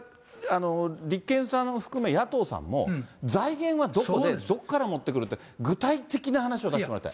立憲さんを含め、野党さんも、財源はどこで、どこから持ってくると、具体的な話を出してもらいたい。